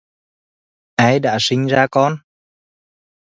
Ai đã sinh con